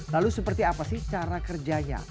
lalu seperti apa sih cara kerjanya